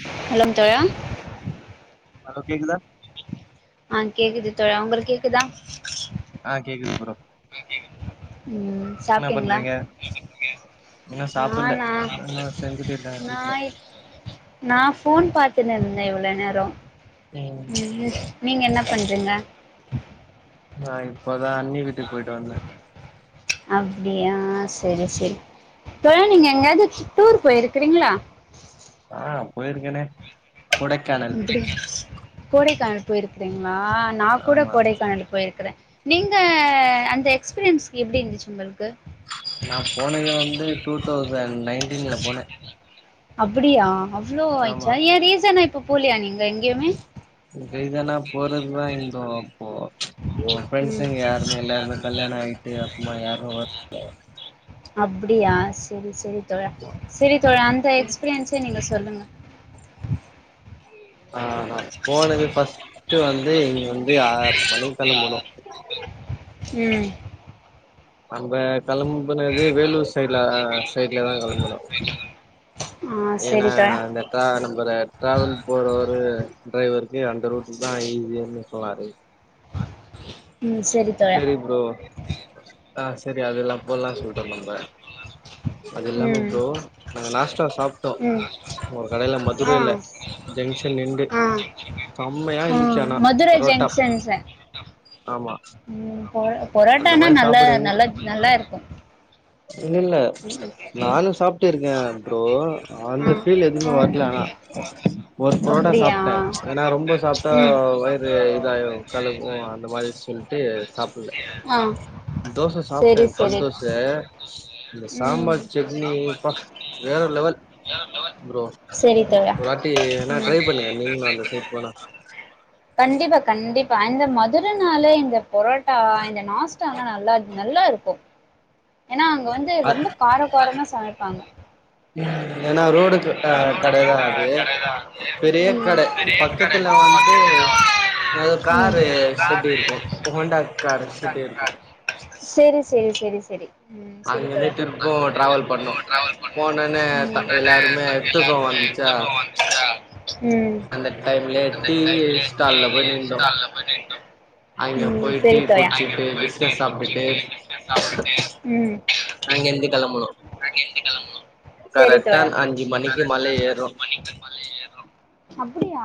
[unintelligible] தோழா hello கேக்குதா ஆஹ் கேக்குது தோழா உங்களுக் கேக்குதா ஆஹ் கேக்குது புறோ உம் சாப்ட்டீங்ளா இன்னு [inaudible] சாப்புல்ல நானா இன்னு செஞ்சுட்டு இருக்காங்க வீட்ல நாப் நா போன் பாத் பத்துனு இருந்தன் இவ்ளோ நேரம் ம் உம் நீங்க என்ன பண்றிங்க ஆஹ் இப்ப இப்பதா அன்னி வீட்டுக்கு போயிட்டு வந்தன் அப்டியா செரி செரி தோழா நீங்க எங்யாது டூர் போயிருக்கிறீங்ளா ஆ போயிருக்கேனே கொடைக்கானல் அப்டியா கொடைகானல் போயிருக் க்றிங்ளா நா கூட ஆமா கோடைக்கானலுக் போயிருக்குறெ நீங்க அந்த எக்ஸ்பீரியன்ஸ் எப்டி இருந்துச்சு உங்களுக்கு நா போனது வந்து டூ தௌசண்ட் நைன்டீன்ல போனே அப்புடியா அவ்ளோ ஆமா ஆயிச்சா ஏ ரீசன் அ ப்ப போலியா நீங்க எங்யுமே இதனா போறதுதா இந்தோ அப்போ பொ ம் ஃப்ரண்ட்ஸுங்க யாருமே எல்லாருமே கல்யாணொ ஆயிட்டு அப்பமா யாரு வர்ல அப்டியா செரி செரி தோழா செரி தோழா அந்த எக்ஸ்பீரியன்ஸெ நீங்க சொல்லுங்க ஆ ஹ போனது ஃபஸ்ட்டு வந்து இங்க வந்து ஆறு மணி கெளம்புனோ ம் அங்க கெளம்புனது வேலூர் சைட்ல சைட்லதா கெளம்புனோ ஆ ஏனா செரி தோழா அந்த டிரா நம்புர ட்ராவல் போறவரு ட்ரைவரு ஜி அந்த ரூட்டு தா ஈஸினு சொன்னாரு [inaudible] தோழா சேரி ப்ரோ ஆ செரி அதுல்லா போலா சொல்ட்டோ நம்ப அது இல்லாம ம் ப்ரோ நாங்க நாஸ்டா சாப்ட்டோ ம் ஒரு கடைல ஆ மதுரைல ஜங்ஷன் நின்டு ஆ செம்மையா ஆ இருந்துச்சு ஆனா மதுரை புரோட்டா ஜங்ஷன் சார் ம் பொ அந்த பொரோட்டானா மாரி நல்லா சாப்பாடு நல்லா நல்லா இருக்கும் இனில்ல நானு சாப்ட்டு இருக்கே ப்ரோ அந்த ம். ஃபீல் ஆ ஆ எதுமே வர்ல ஆனா ஒரு புரோட்டா அப்டியா சாப்ட்டே ஏனா ரொம்ப சாப்டா ம் வயிறு இதாயிரு கழக்கு அ ரு மாதிரி சொல்ட்டு சாப்புல்ல ஆ தோச சாப்ட்டே செரி கல் செரி தோச ம் சாம்பார் சட்னி ப்பா வேற லெவல் ப்ரோ செரி தோழா ஒருவாட்டி வேனா ம் ட்ரை பண்ணுங்க நீங்ளு அந்த சைட் போனா கண்டிப்பா கண்டிப்பா அந்த ம துர னாளே இந்த புரோட்டா இந்த நாஸ்டால்லா நல்லா இரு நல்லா இருக்கு எனா அங்க வந்து அ ரொம்ப காரகாரமா சமைப்பாங்க ஏன்னா ரோடு அ கடதா அது பெரிய ம் கட ம் பக்கத்துல வந்து ஏதோ காரு ஷெட்டு இருக்கு ஹோண்டா கார் ஷெட்டு இருக்கு செரி செரி செரி செரி செரி அங்கருந்து திருப்பும் டிராவல் பண்ணோ போனோனே த எல்லாருமே தூக்கோ வந்துச்சா தோழா ம் அந்த டைம்லயே டீ ஸ்டால்ல போய் நின்டோம் அங்க ம் போயிட்டு செரி தோழா குடிச்சிட்டு பிஸ்கட் சாப்ட்டுட்டு ம் அங்கிருந்து கெளம்பணோம் செரி கரெக்டா தோழா அஞ்சு மணிக்கு மல ஏறோம் அப்டியா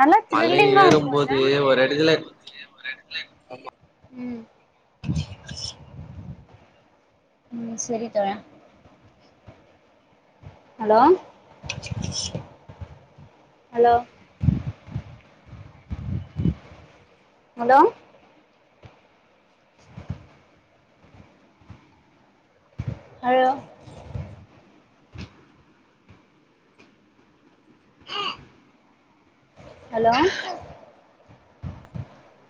நல்லா த்ரில்லிங்கா இருக்குல்ல எடத்துல ம் ம் சரி தோழா hello hello hello hello hello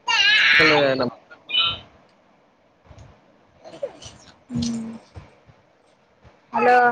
[unintelligible] உம் ஹலோ